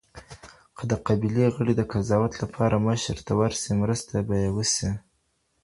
که د قبیلې غړي د قضاوت لپاره مشر ته ورسي، مرسته به يي وسي.